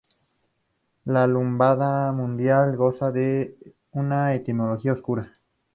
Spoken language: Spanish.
La lambada mundial goza de una etimología oscura.